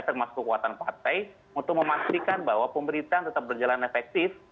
termasuk kekuatan partai untuk memastikan bahwa pemerintahan tetap berjalan efektif